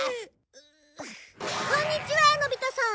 こんにちはのび太さん。